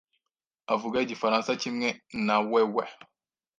avuga igifaransa kimwe nawewe.